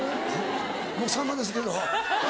僕さんまですけど。